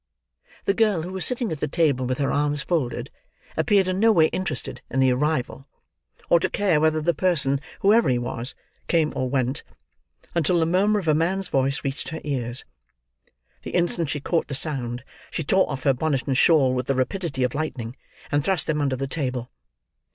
The girl, who was sitting at the table with her arms folded, appeared in no way interested in the arrival: or to care whether the person, whoever he was, came or went: until the murmur of a man's voice reached her ears. The instant she caught the sound, she tore off her bonnet and shawl, with the rapidity of lightning, and thrust them under the table.